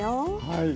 はい。